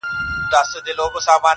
له مستیه مي غزل څومره سرشار دی-